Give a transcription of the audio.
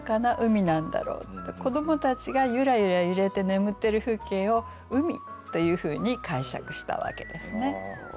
子どもたちがゆらゆら揺れて眠ってる風景を「海」というふうに解釈したわけですね。